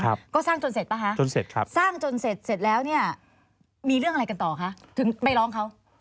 ก็สร้างจนเสร็จปะคะสร้างจนเสร็จเสร็จแล้วเนี่ยมีเรื่องอะไรกันต่อคะถึงไปร้องเขา